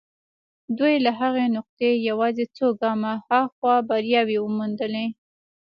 دوی له هغې نقطې يوازې څو ګامه هاخوا برياوې موندلې.